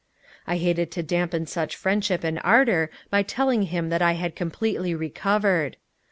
I hated to dampen such friendship and ardor by telling him that I had completely recovered.